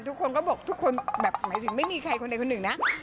ทุกคนก็บอกทุกคนหมายถึงไม่มีใครคนหรือคนนะ